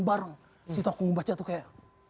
bareng jadi aku ngebaca tuh kayak